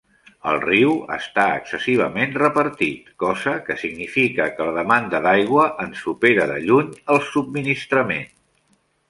El riu està excessivament repartit, cosa que significa que la demanda d'aigua en supera de lluny el subministrament.